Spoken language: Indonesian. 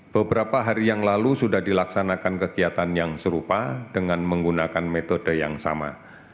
beberapa hari yang lalu sudah dilaksanakan kegiatan yang serupa dengan menggunakan metode yang sama